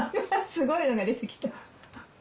すごいのが出てきた。